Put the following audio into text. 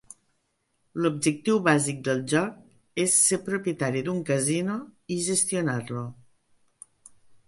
L'objectiu bàsic del joc és ser propietari d'un casino i gestionar-lo.